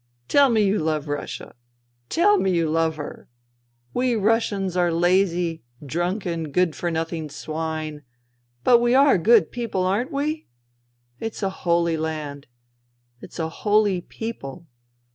" Tell me you love Russia. Tell me you love her. We Russians are lazy, drunken, good for nothing swine ; but we are good people, aren't we ? It's a holy land. It's a holy people.